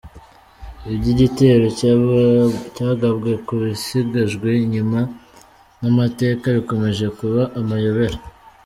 Iby’igitero cyagabwe ku Basigajwe inyuma n’amateka bikomeje kuba amayobera